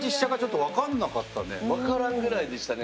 分からんぐらいでしたね。